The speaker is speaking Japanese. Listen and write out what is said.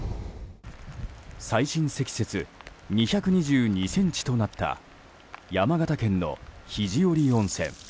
最深積雪２２２ｃｍとなった山形県の肘折温泉。